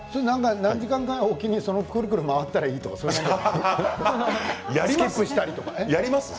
何時間おきにくるくる回ったらいいとかそういうのはありますか。